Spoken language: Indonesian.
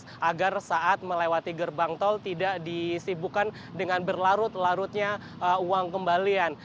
dan uang pas agar saat melewati gerbang tol tidak disibukan dengan berlarut larutnya uang kembalian